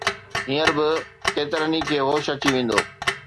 هينئر به ڪيترن کي هوش اچي ويندو